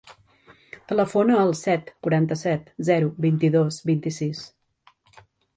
Telefona al set, quaranta-set, zero, vint-i-dos, vint-i-sis.